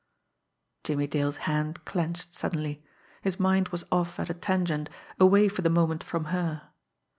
Jimmie Dale's hand clenched suddenly his mind was off at a tangent, away for the moment from her.